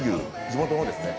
地元のですね。